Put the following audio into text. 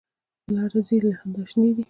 په لاره ځي له خندا شینې دي.